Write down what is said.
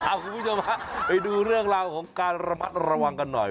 คุณผู้ชมฮะไปดูเรื่องราวของการระมัดระวังกันหน่อย